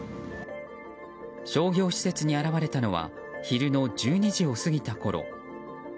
商業施設に現れたのは昼の１２時を過ぎたころ。